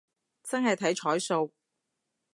真係睇彩數